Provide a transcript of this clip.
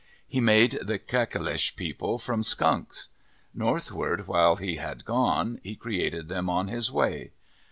He made the Kakalish people from skunks. Northward while he had gone, he created them on his way.